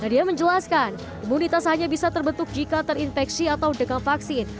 nadia menjelaskan imunitas hanya bisa terbentuk jika terinfeksi atau dekat vaksin